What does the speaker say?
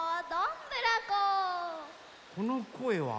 このこえは？